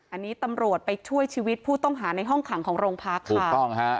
อันนี้ตำรวจไปช่วยชีวิตผู้ต้องหาในห้องขังของโรงพักค่ะถูกต้องฮะ